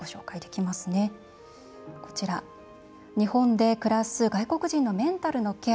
日本で暮らす外国人のメンタルのケア。